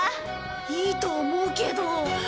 いいと思うけど。